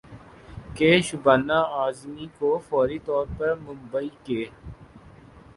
کہ شبانہ اعظمی کو فوری طور پر ممبئی کے